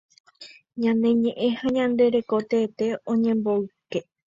Ñane ñeʼẽ ha ñande reko teete oñemboyke.